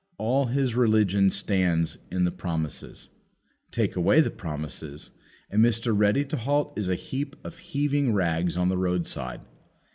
All his religion stands in the promises. Take away the promises, and Mr. Ready to halt is a heap of heaving rags on the roadside.